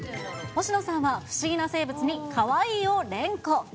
星野さんは不思議な生物にかわいいを連呼。